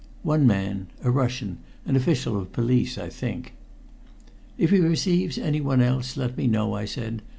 "One man a Russian an official of police, I think." "If he receives anyone else, let me know," I said.